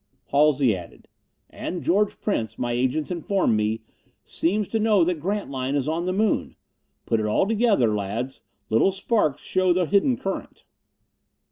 Halsey added, "And George Prince, my agents inform me, seems to know that Grantline is on the Moon. Put it all together, lads. Little sparks show the hidden current.